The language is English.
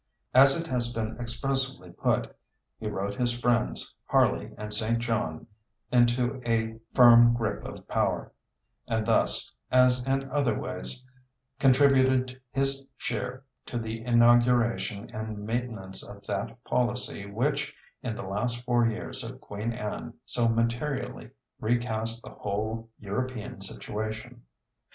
As it has been expressively put, he wrote his friends, Harley and St. John, into a firm grip of power, and thus, as in other ways, contributed his share to the inauguration and maintenance of that policy which in the last four years of Queen Anne so materially recast the whole European situation.